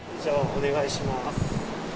お願いします。